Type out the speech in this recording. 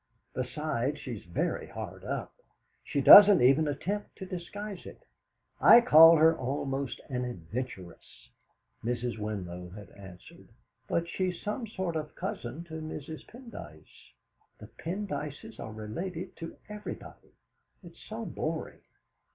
Besides, she's very hard up. She doesn't even attempt to disguise it. I call her almost an adventuress." Mrs. Winlow had answered: "But she's some sort of cousin to Mrs. Pendyce. The Pendyces are related to everybody! It's so boring.